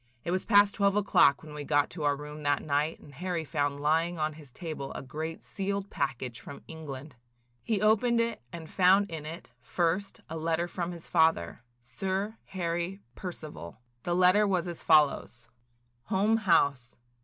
It was past twelve o'clock when we got to our room that night and Harry found lying on his table a great sealed package from England. He opened it and found in it, first, a letter from his father, Sir Harry Percival. The letter was as follows: – "HOLME HOUSE.